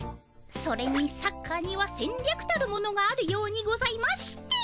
それにサッカーにはせんりゃくたるものがあるようにございまして。